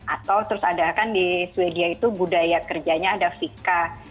atau terus ada kan di sweden itu budaya kerjanya ada fika